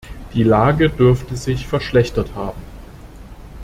Die Lage dürfte sich verschlechtert haben.